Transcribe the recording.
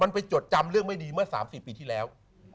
มันไปจดจำเรื่องไม่ดีเมื่อ๓๔ปีที่แล้ว